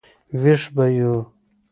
وېښ به یو.